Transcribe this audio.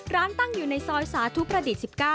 ร้านตั้งอยู่ในซอยสาธุประดิษฐ์๑๙